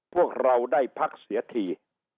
พวกเราได้พักเสียที